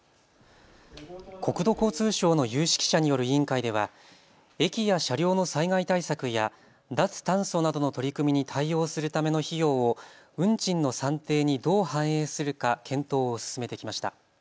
国土交通省の有識者による委員会では駅や車両の災害対策や脱炭素などの取り組みに対応するための費用を運賃の算定にどう反映するか検討を進めてきました。